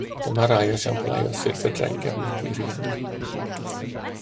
Dyma rai esiamplau o sut fedra i gefnogi rhieni